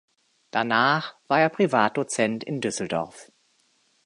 Danach war er Privatdozent in Düsseldorf.